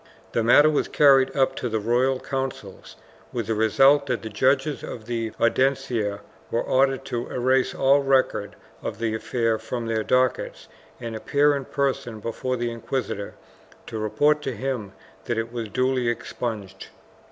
The matter was carried up to the Royal Councils with the result that the j.uclges of the Audiencia were ordered to erase all record of the affair from their dockets and appear in person before the inquisitor to report to him that it was duly expunged.